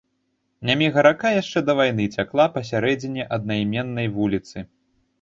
Няміга-рака яшчэ да вайны цякла пасярэдзіне аднайменнай вуліцы.